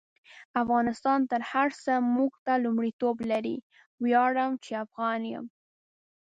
افغانستان تر هر سه مونږ ته لمړیتوب لري: ویاړم چی افغان يم